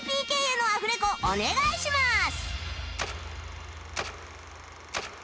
ＰＫ へのアフレコお願いします